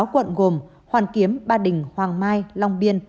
sáu quận gồm hoàn kiếm ba đình hoàng mai long biên